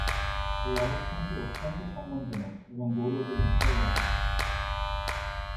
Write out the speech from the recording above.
এ অবস্থানটি অত্যন্ত সম্মানজনক এবং গৌরবের বিষয়ও বটে।